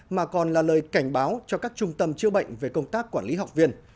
mà còn là lời cảnh báo cho các trung tâm chữa bệnh về công tác quản lý học viên